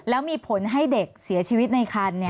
แล้วมีผลให้เด็กเสียชีวิตในคัน